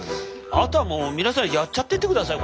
あとはもう皆さんやっちゃっててください。